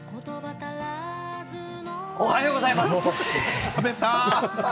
ためた、おはようございます。